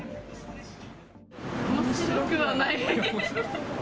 おもしろくはないよね。